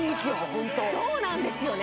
ホントそうなんですよね